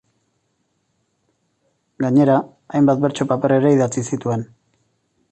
Gainera, hainbat bertso-paper ere idatzi zituen.